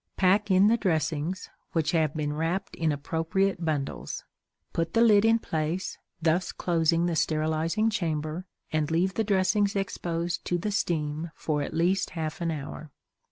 Pack in the dressings, which have been wrapped in appropriate bundles; put the lid in place, thus closing the sterilizing chamber, and leave the dressings exposed to the steam for at least half an hour.